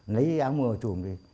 lấy áo mưa trùm đi